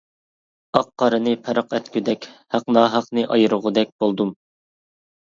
ئاق-قارىنى پەرق ئەتكۈدەك، ھەق-ناھەقنى ئايرىغۇدەك بولدۇم.